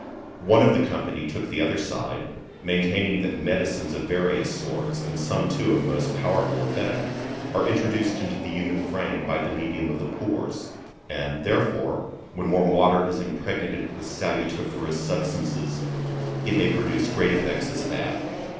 One of the company took the other side, maintaining that medicines of various sorts, and some too of most powerful effect, are introduced into the human frame by the medium of the pores; and, therefore, when warm water is impregnated with salutiferous substances, it may produce great effects as a bath.